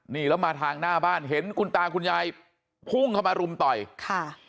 นี่แล้วมาทางหน้าบ้านเห็นคุณตาคุณยายพุ่งเข้ามารุมต่อยค่ะ